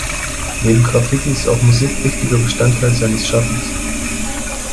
Neben Graffiti ist auch Musik wichtiger Bestandteil seines Schaffens.